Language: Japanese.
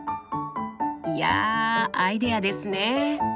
いやアイデアですね。